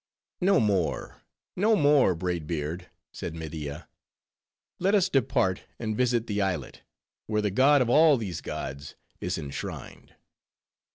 "No more, no more, Braid Beard," said Media. "Let us depart, and visit the islet, where the god of all these gods is enshrined."